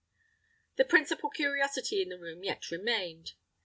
The principal curiosity in the room yet remained.